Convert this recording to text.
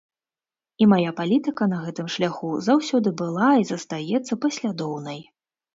І мая палітыка на гэтым шляху заўсёды была і застаецца паслядоўнай.